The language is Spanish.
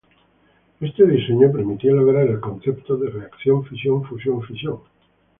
Este diseño permitía lograr el concepto de reacción fisión-fusión-fisión.